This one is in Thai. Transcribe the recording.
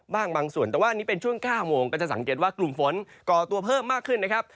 บางส่วนแต่ว่าอันนี้เป็นช่วง๙โมงก็จะสังเกตว่ากลุ่มฝนก่อตัวเพิ่มมากขึ้นนะครับ